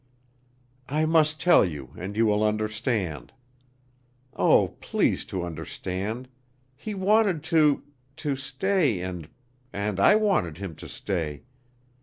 "I must tell you, and you will understand. Oh, please to understand! He wanted to to stay and and I wanted him to stay.